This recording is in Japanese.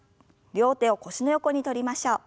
両手を腰の横に取りましょう。